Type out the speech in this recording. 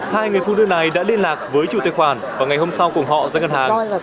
hai người phụ nữ này đã liên lạc với chủ tài khoản và ngày hôm sau cùng họ ra ngân hàng